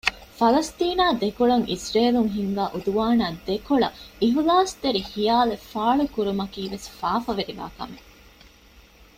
ފަލަސްޠީނާ ދެކޮޅަށް އިޒްރޭލުން ހިންގާ ޢުދުވާނާ ދެކޮޅަށް އިޚްލާޞްތެރި ޚިޔާލެއް ފާޅުކުރުމަކީވެސް ފާފަވެރިވާ ކަމެއް